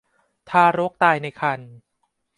ทารกตายในครรภ์